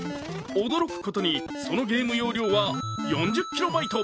驚くことにそのゲーム容量は４０キロバイト。